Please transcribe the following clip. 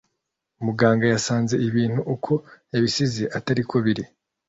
muganga yasanze ibintu ukoyabisize atariko biri